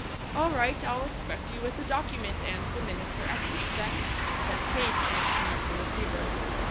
"All right, I'll expect you with the document and the minister at six, then," said Kate, and hung up the receiver.